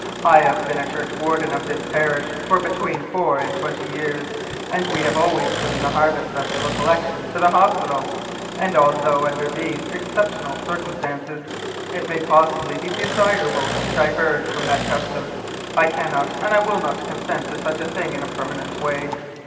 I have been churchwarden of this parish for between forty and fifty years, and we have always given the harvest festival collection to the hospital, and although under these exceptional circumstances it may possibly be desirable to diverge from that custom, I cannot and will not consent to such a thing in a permanent way.